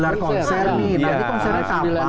tadi konsernya kapan